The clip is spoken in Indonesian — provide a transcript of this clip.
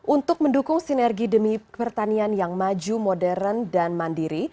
untuk mendukung sinergi demi pertanian yang maju modern dan mandiri